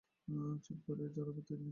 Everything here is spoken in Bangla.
চুপ করো, এই ঝাড়বাতির নিচে কিছুই নেই।